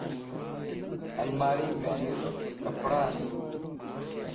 الماري ام ڪپڙا ان